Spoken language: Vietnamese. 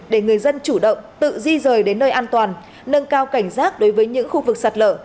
để người dân chủ động tự di rời đến nơi an toàn nâng cao cảnh giác đối với những khu vực sạt lở